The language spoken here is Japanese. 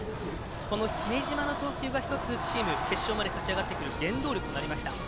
この比江島の投球が１つ、チーム決勝まで勝ち上がってくる原動力となりました。